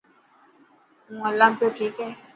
مون هلان پيو ٺيڪ هي.